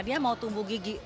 dia mau tumbuh gigi